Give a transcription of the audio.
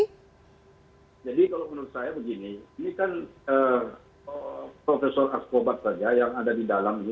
hai jadi kalau menurut saya begini ini kan eh oh profesor asko bakal yang ada di dalam ini